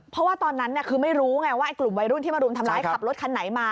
เพราะว่าตอนนั้นคือไม่รู้ไงว่ากลุ่มวัยรุ่นที่มารุมทำร้ายขับรถคันไหนมา